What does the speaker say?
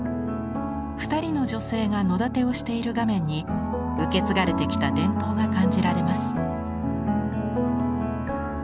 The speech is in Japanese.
２人の女性が野だてをしている画面に受け継がれてきた伝統が感じられます。